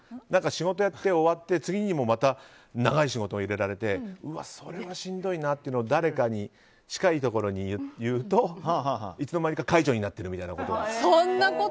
仕事やって終わって次にもまた長い仕事を入れられてうわ、それはしんどいなっていうのを誰かに近いところに言うといつの間にか解除になってるみたいなことが。